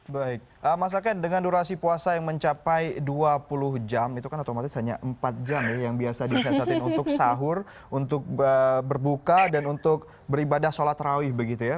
baik mas aken dengan durasi puasa yang mencapai dua puluh jam itu kan otomatis hanya empat jam ya yang biasa disiasatin untuk sahur untuk berbuka dan untuk beribadah sholat rawih begitu ya